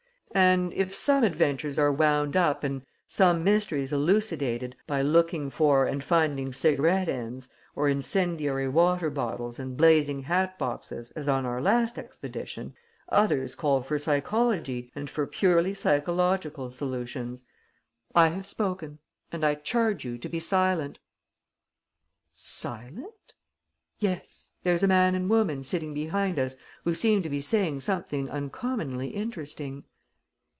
And, if some adventures are wound up and some mysteries elucidated by looking for and finding cigarette ends, or incendiary water bottles and blazing hat boxes as on our last expedition, others call for psychology and for purely psychological solutions. I have spoken. And I charge you to be silent." "Silent?" "Yes, there's a man and woman sitting behind us who seem to be saying something uncommonly interesting."